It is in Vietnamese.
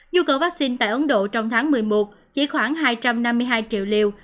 nhu cầu vaccine tại ấn độ trong tháng một mươi một chỉ khoảng hai trăm năm mươi hai triệu liều